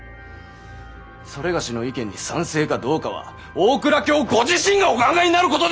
某の意見に賛成かどうかは大蔵卿ご自身がお考えになることでしょう！